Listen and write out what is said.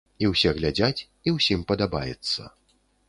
І ўсе глядзяць, і ўсім падабаецца.